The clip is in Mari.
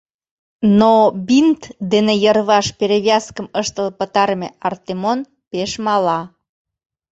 Но бинт дене йырваш перевязкым ыштыл пытарыме Артемон пеш мала.